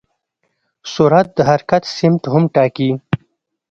سرعت د حرکت سمت هم ټاکي.